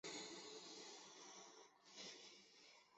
母袁氏。